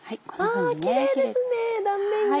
あキレイですね断面が。